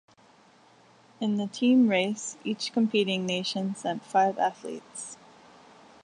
In the team race, each competing nation sent five athletes.